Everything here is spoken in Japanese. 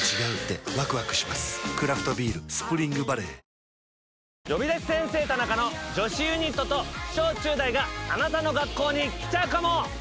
クラフトビール「スプリングバレー」『呼び出し先生タナカ』の女子ユニットと小中大があなたの学校に来ちゃうかも。